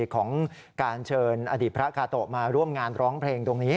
ของการเชิญอดีตพระกาโตะมาร่วมงานร้องเพลงตรงนี้